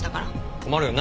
困るよな。